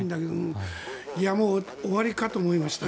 終わりかと思いましたよ。